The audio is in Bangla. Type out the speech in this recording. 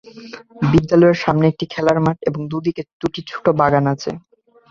বিদ্যালয়টির সামনে একটি খেলার মাঠ এবং দুদিকে দুটি ছোট বাগান আছে।